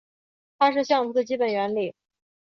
它是相图的基本原理。